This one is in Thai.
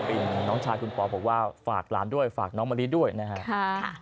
เป็นน้องชายคุณปอบอกว่าฝากหลานด้วยฝากน้องมะลิด้วยนะครับ